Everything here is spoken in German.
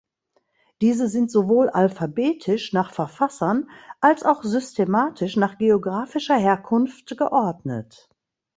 Diese sind sowohl alphabetisch nach Verfassern als auch systematisch nach geographischer Herkunft geordnet.